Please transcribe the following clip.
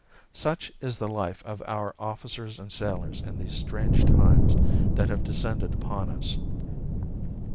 Such is the life of our officers and sailors in these strange times that have descended upon us.